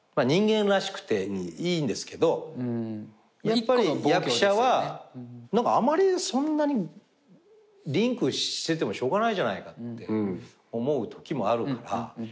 やっぱり役者はあまりそんなにリンクしててもしょうがないじゃないかって思うときもあるから。